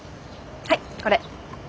はいこれ。